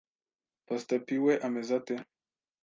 Pastor P we ameze ate